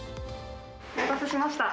お待たせしました。